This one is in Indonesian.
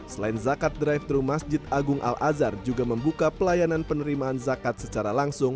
selain zakat drive thru masjid agung al azhar juga membuka pelayanan penerimaan zakat secara langsung